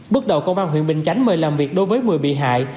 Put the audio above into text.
bước đầu công an huyện bình chánh mời làm việc đối với một mươi bị hại